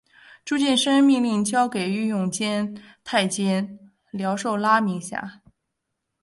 朱见深命令交给御用监太监廖寿拉名下。